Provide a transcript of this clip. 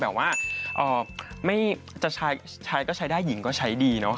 แต่ว่าจะชายก็ใช้ได้หญิงก็ใช้ดีเนอะ